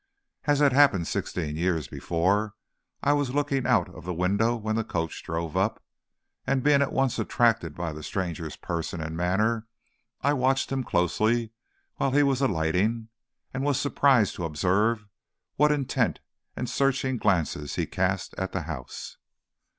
As had happened sixteen years before, I was looking out of the window when the coach drove up, and, being at once attracted by the stranger's person and manner, I watched him closely while he was alighting, and was surprised to observe what intent and searching glances he cast at the house.